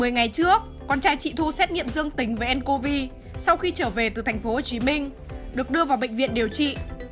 một mươi ngày trước con trai chị thu xét nghiệm dương tính với ncov sau khi trở về từ tp hcm được đưa vào bệnh viện điều trị